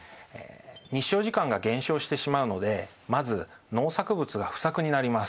日照時間が減少してしまうのでまず農作物が不作になります。